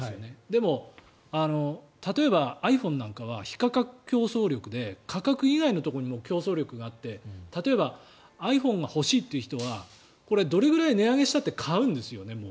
でも、例えばｉＰｈｏｎｅなんかは非価格競争力で価格以外のところにも競争力があって例えばｉＰｈｏｎｅが欲しいという人はこれ、どれぐらい値上げしたって買うんですよね。